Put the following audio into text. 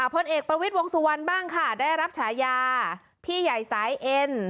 พลเอกประวิทย์วงสุวรรณบ้างค่ะได้รับฉายาพี่ใหญ่สายเอ็น